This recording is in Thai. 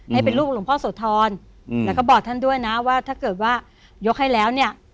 ให้เป็นรูปหลวงพ่อโสธรแล้วก็บอกท่านด้วยนะว่าถ้าเกิดว่ายกให้แล้วเนี่ย